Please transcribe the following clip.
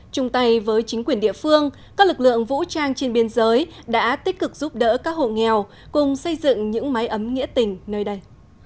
chung tay với chính quyền địa phương các lực lượng vũ trang trên biên giới đã tích cực giúp đỡ các hộ nghèo cùng xây dựng những máy ấm nghĩa tình nơi đây